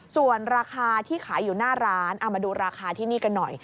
ส่วนราคาที่ขายอยู่หน้าร้านเอามาดูราคาที่นี่กันหน่อย